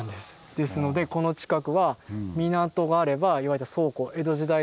ですのでこの近くは港があれば言われた倉庫江戸時代風に言うと。